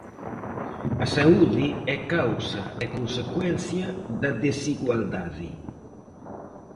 A saúde é causa e consecuencia da desigualdade.